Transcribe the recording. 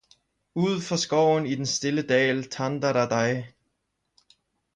Ud for skoven, i den stille dal, tandaradai